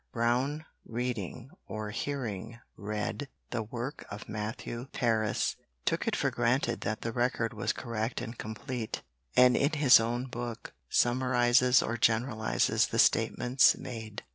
Brown reading, or hearing read, the work of Matthew Paris took it for granted that the record was correct and complete; and in his own book summarises or generalises the statements made.